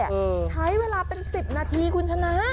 ใช้เวลาเป็น๑๐นาทีคุณชนะ